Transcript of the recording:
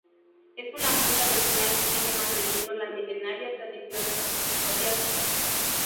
Es una Junta Vecinal y sigue manteniendo la milenaria tradición del Concejo abierto.